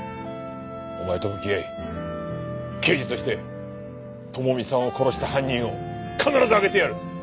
お前と向き合い刑事として智美さんを殺した犯人を必ず挙げてやる！